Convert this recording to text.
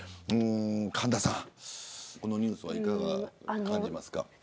神田さん、このニュースはいかが感じますか。